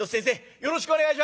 よろしくお願いします。